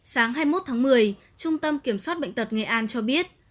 sáng hai mươi một tháng một mươi trung tâm kiểm soát bệnh tật nghệ an cho biết